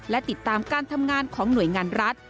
และติดตามการทำงานของหน่วยงานรัฐ